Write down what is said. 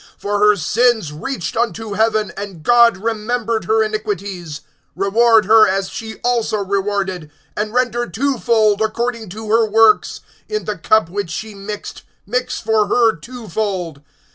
(5)For her sins reached unto heaven, and God remembered her iniquities. (6)Reward her as she also rewarded, and render twofold according to her works; in the cup which she mixed, mix for her twofold.